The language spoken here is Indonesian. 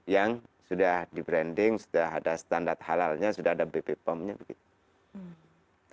yang sudah di branding sudah ada standar halalnya sudah ada bp pom nya begitu